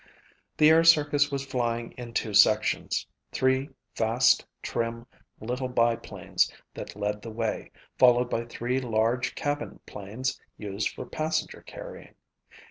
The air circus was flying in two sections, three fast, trim little biplanes that led the way, followed by three large cabin planes used for passenger carrying.